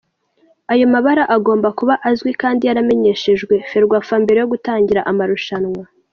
Ayo mabara agomba kuba azwi kandi yaramenyeshejwe Ferwafa mbere yo gutangira amarushanwa.